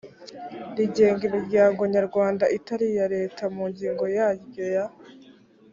rigenga imiryango nyarwanda itari iya leta mu ngingo yaryo ya